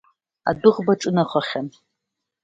Адәыӷба аҿынанахахьан.